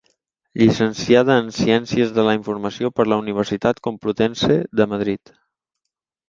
Llicenciada en Ciències de la Informació per la Universitat Complutense de Madrid.